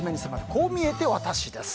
こう見えてワタシです。